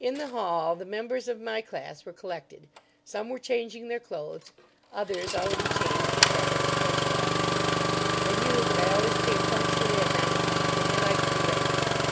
In the hall the members of my class were collected. Some were changing their clothes; others, already changed, were tapping the punch ball. They knew that I always came punctually at nine o'clock, and they liked to be ready for me.